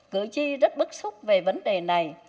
cử tri rất bức xúc về vấn đề này